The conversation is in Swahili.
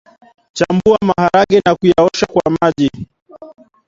Chambua maharage na kuyaosha kwa maji